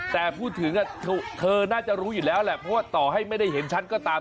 แต่พูดถึงเธอน่าจะรู้อยู่แล้วแหละเพราะว่าต่อให้ไม่ได้เห็นชัดก็ตาม